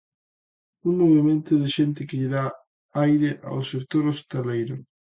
Un movemento de xente que lle dá aire ao sector hostaleiro.